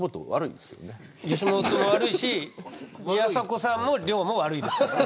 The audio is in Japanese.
吉本も悪いし宮迫さんも亮も悪いです。